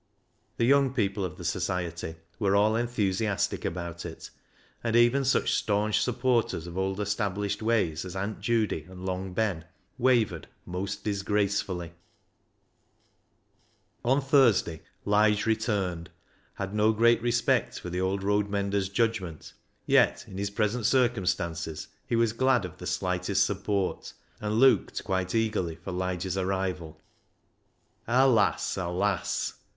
The young people of the Society were all enthusiastic about it, and even such staunch supporters of old established ways as Aunt Judy and Long Ben wavered most disgracefully. 346 BECKSIDE LIGHTS On Thursday, Lige returned, and though, as a rule, the Clogger had no great respect for the old road mender's judgment, yet in his present circumstances he was glad of the slightest support, and looked quite eagerly for Lige's arrival. Alas ! alas